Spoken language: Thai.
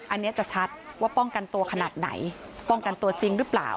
อันนี้จะชัดว่าป้องกันตัวขนาดไหนป้องกันตัวจริงหรือเปล่า